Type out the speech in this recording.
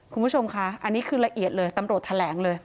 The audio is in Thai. คุณผู้ชมค่ะอันนี้คือละเอียดเลยตำรวจแถลงเลย